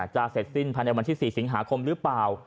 จะเสร็จสิ้นภายในวันที่๔สิงหาคมหรือเปล่า